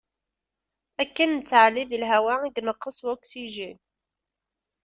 Akken nettɛelli deg lehwa i ineqqes wuksijin.